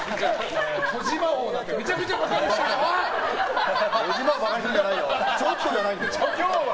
児嶋王なんかめちゃくちゃバカにしてますよ。